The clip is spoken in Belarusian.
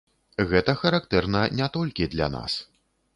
Гэта характэрна не толькі для нас.